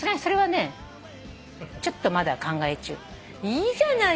いいじゃない。